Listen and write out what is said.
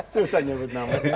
susah nyebut nama